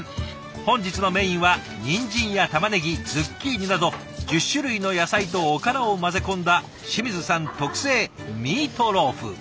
本日のメインはニンジンやタマネギズッキーニなど１０種類の野菜とおからを混ぜ込んだ清水さん特製ミートローフ。